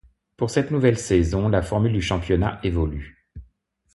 Pour cette nouvelle saison, la formule du championnat évolue.